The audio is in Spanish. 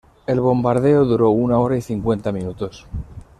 El bombardeo duró una hora y cincuenta minutos.